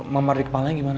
mamar di kepalanya gimana